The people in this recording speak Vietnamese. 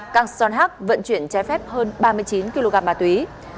kang son hak vận chuyển trái phép hơn ba mươi chín kg ma túy